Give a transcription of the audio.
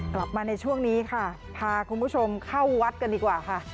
กลับมาในช่วงนี้ค่ะพาคุณผู้ชมเข้าวัดกันดีกว่าค่ะ